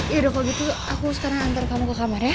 yaudah kalau gitu aku sekarang antar kamu ke kamarnya